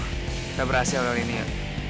kita berhasil kalau ini ya